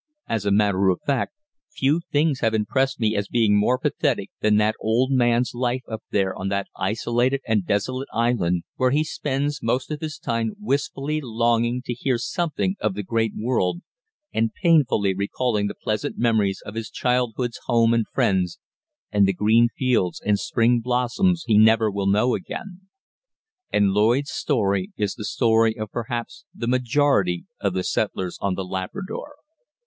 As a matter of fact, few things have impressed me as being more pathetic than that old man's life up there on that isolated and desolate island, where he spends most of his time wistfully longing to hear something of the great world, and painfully recalling the pleasant memories of his childhood's home and friends, and the green fields and spring blossoms he never will know again. And Lloyd's story is the story of perhaps the majority of the settlers on The Labrador.